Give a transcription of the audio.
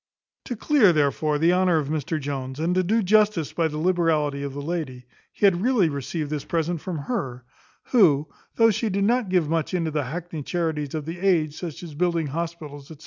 To clear, therefore, the honour of Mr Jones, and to do justice to the liberality of the lady, he had really received this present from her, who, though she did not give much into the hackney charities of the age, such as building hospitals, &c.